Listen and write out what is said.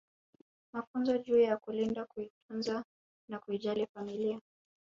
Mafunzo juu ya kulinda kuitunza na kuijali familia